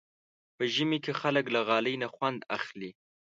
په ژمي کې خلک له غالۍ نه خوند اخلي.